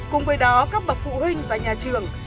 cùng với đó các bậc phụ huynh và nhà trường